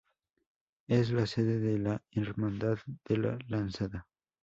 Es la sede de la Hermandad de la Lanzada.